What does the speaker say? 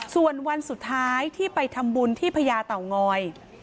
ส่วนวันสุดท้ายที่ไปทำบุญที่พญาเต่างอย